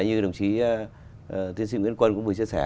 như đồng chí tiến sĩ nguyễn quân cũng vừa chia sẻ